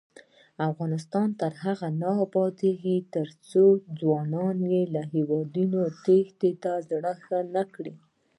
افغانستان تر هغو نه ابادیږي، ترڅو ځوانان له هیواده تېښتې ته زړه ښه نکړي.